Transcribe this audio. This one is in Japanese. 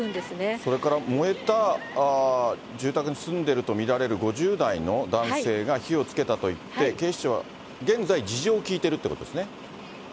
それから燃えた住宅に住んでいると見られる５０代の男性が火をつけたと言って、警視庁は、現在、事情を聴いているっていうことですね。